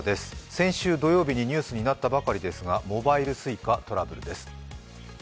先週土曜日にニュースになったばかりですがモバイルＳｕｉｃａ、トラブルです。